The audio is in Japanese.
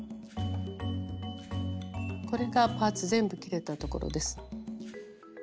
これがパーツ全部切れたところです。